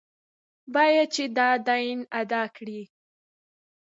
باید چې دا دین ادا کړي.